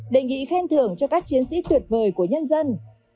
đề nghị khen thưởng cho các chiến sĩ tuyệt vời của nhân dân